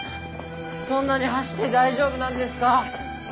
そんなに走って大丈夫なんですか？